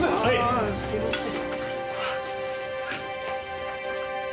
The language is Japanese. ああすいません。